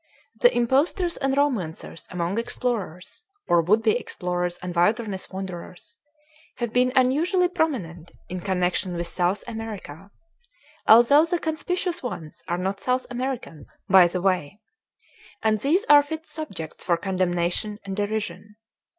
The impostors and romancers among explorers or would be explorers and wilderness wanderers have been unusually prominent in connection with South America (although the conspicuous ones are not South Americans, by the way); and these are fit subjects for condemnation and derision.